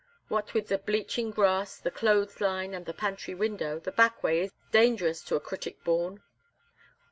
What with the bleaching grass, the clothes line, and the pantry window, the back way is dangerous to a critic born."